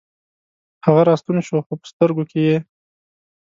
هغه راستون شو، خوپه سترګوکې یې